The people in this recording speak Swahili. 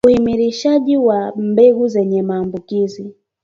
Uhimilishaji wa mbegu zenye maambukizi